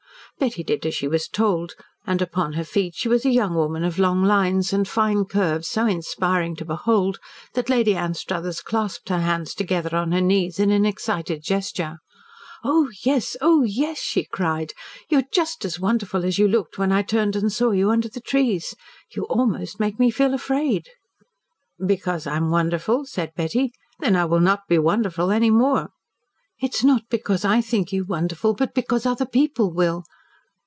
Betty did as she was told, and upon her feet she was a young woman of long lines, and fine curves so inspiring to behold that Lady Anstruthers clasped her hands together on her knees in an excited gesture. "Oh, yes! Oh, yes!" she cried. "You are just as wonderful as you looked when I turned and saw you under the trees. You almost make me afraid." "Because I am wonderful?" said Betty. "Then I will not be wonderful any more." "It is not because I think you wonderful, but because other people will.